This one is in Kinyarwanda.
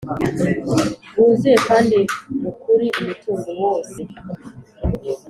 bwuzuye kandi mu kuri umutungo wose